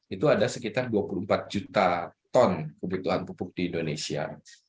itu ada sekitar dua puluh empat juta ton kebutuhan pupuk di indonesia